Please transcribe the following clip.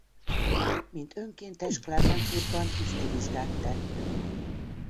Mint önkéntes Klagenfurtban tiszti vizsgát tett.